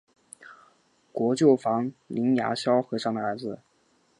国舅房林牙萧和尚的儿子。